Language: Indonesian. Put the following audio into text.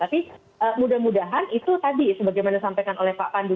tapi mudah mudahan itu tadi sebagaimana disampaikan oleh pak pandu